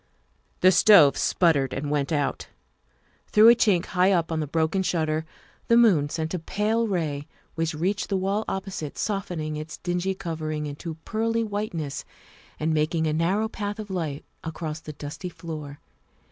The stove spluttered and went out. Through a chink high up on the broken shutter the moon sent a pale ray which reached the wall opposite, softening its dingy cov 278 THE WIFE OF ering into pearly whiteness, and making a narrow path of light across the dusty floor.